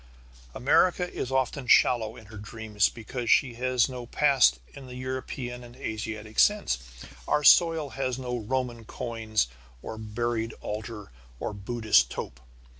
America is often shallow in her dreams because she has no past in the European and Asiatic sense. Our soil has no Roman coin or buried altar or Buddhist tope.